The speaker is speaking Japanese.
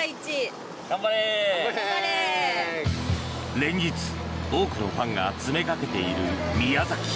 連日、多くのファンが詰めかけている宮崎。